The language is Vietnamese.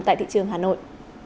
tại thị trường hà nội